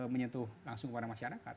menyentuh langsung kepada masyarakat